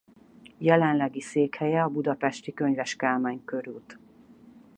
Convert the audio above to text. Jelenlegi székhelye a budapesti Könyves Kálmán krt.